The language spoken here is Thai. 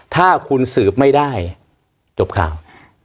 ถ้าคุณสืบไม่ได้จบข่าว